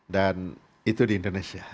dan itu di indonesia